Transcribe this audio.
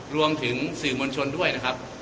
รวมถึงสื่อมวลชนด้วยนะครับ